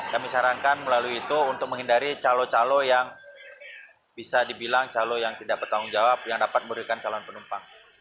kami sarankan melalui itu untuk menghindari calon calon yang bisa dibilang calon yang tidak bertanggung jawab yang dapat merugikan calon penumpang